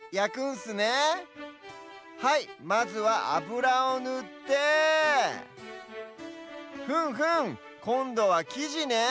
はいまずはあぶらをぬってふむふむこんどはきじね。